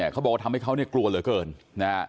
เขาบอกว่าทำให้เขากลัวเหลือเกิน